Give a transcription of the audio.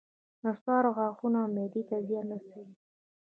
نصوار غاښونو او معدې ته زیان رسوي